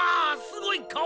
すごい顔！